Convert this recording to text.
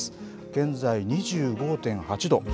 現在２５．８度。